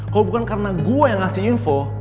kau bukan karena gue yang ngasih info